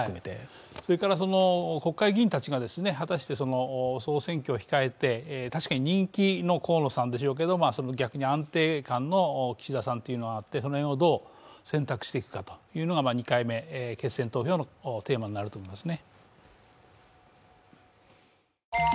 それから国会議員たちが果たして総選挙を控えて、確かに人気の河野さんでしょうけれども、その逆に安定感の岸田さんというのがあってその辺をどう選択していくかというのが２回目、決選投票のテーマになると思いますね。